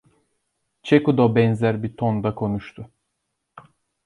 Ceku da benzer bir tonda konuştu.